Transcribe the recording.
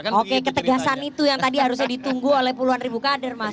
oke ketegasan itu yang tadi harusnya ditunggu oleh puluhan ribu kader mas